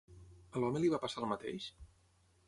A l'home li va passar el mateix?